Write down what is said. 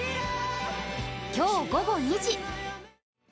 今日午後２時！